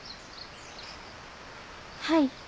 はい。